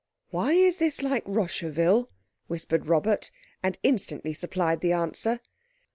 "Why is this like Rosherville?" whispered Robert, and instantly supplied the answer.